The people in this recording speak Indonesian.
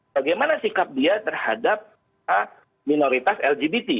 bagaimana sikap dia terhadap minoritas lgbt